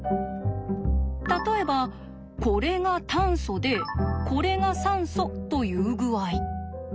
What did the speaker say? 例えばこれが炭素でこれが酸素という具合。